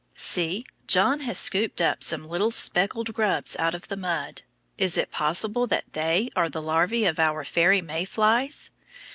See, John has scooped up some little speckled grubs out of the mud. Is it possible that they are the larvæ of our fairy May flies?